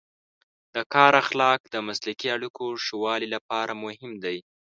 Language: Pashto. د کار اخلاق د مسلکي اړیکو ښه والي لپاره مهم دی.